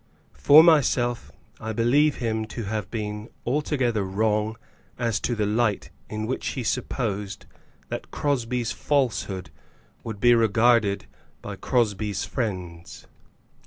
For myself I believe him to have been altogether wrong as to the light in which he supposed that Crosbie's falsehood would be regarded by Crosbie's friends.